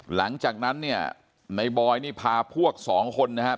หลังจากนั้นเนี่ยในบอยนี่พาพวกสองคนนะครับ